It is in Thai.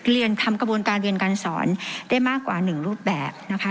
เรียนทำกระบวนการเรียนการสอนได้มากกว่า๑รูปแบบนะคะ